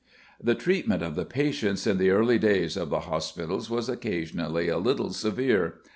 The treatment of the patients in the early days of the hospitals was occasionally a little severe.